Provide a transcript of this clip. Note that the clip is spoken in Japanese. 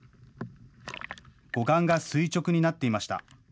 護岸が垂直になっていました。